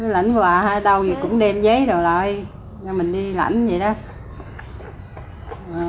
lãnh quà hay đâu thì cũng đem giấy đồ lại cho mình đi lãnh vậy đó